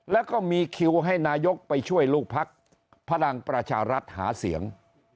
แล้วก็มีคิวให้นายกไปช่วยลูกพักพลังประชารัฐหาเสียง